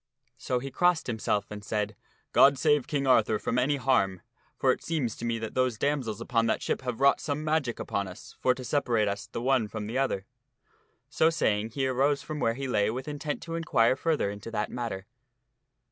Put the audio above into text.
So he crossed himself and said, " God save King Arthur from any harm, for it seems to me that those damsels upon that ship have wrought some magic upon us for to separate us the one from the other." So saying, he arose from where he lay with intent to inquire further into that matter.